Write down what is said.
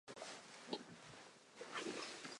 焼きかまぼこ